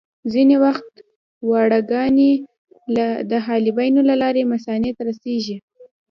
ځینې وخت واړه کاڼي د حالبینو له لارې مثانې ته رسېږي.